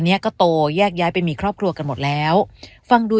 เนี้ยก็โตแยกย้ายไปมีครอบครัวกันหมดแล้วฟังดู